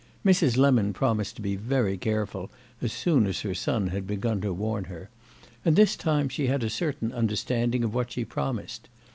Mrs. Lemon promised to be very careful as soon as her son had begun to warn her; and this time she had a certain understanding of what she promised.